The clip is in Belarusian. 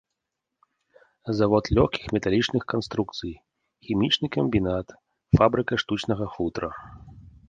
Завод лёгкіх металічных канструкцый, хімічны камбінат, фабрыка штучнага футра.